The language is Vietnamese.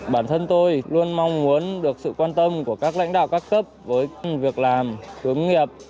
bản thân tôi luôn mong muốn được sự quan tâm của các lãnh đạo các cấp với việc làm hướng nghiệp